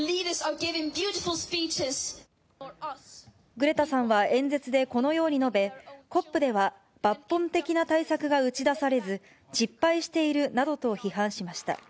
グレタさんは演説でこのように述べ、ＣＯＰでは、抜本的な対策が打ち出されず、失敗しているなどと批判しました。